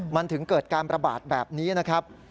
มันถึงเกิดการประบาดแบบนี้นะครับ